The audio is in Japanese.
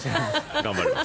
頑張ります。